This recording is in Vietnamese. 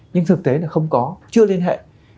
nhưng thực tế là không có chưa liên hệ